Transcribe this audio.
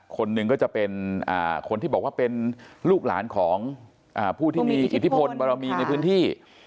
คนหนึ่งก็จะเป็นคนที่บอกว่าเป็นลูกหลานของผู้ที่มีอิทธิพลบารมีในพื้นที่